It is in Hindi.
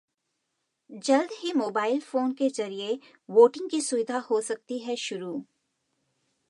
जल्द ही मोबाइल फोन के जरिये वोटिंग की सुविधा हो सकती है शुरू